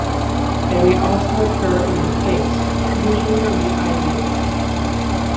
They may also occur on the face, usually on the eyelids.